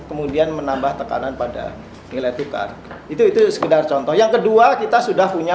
kemudian menambah tekanan pada nilai tukar itu itu sekedar contoh yang kedua kita sudah punya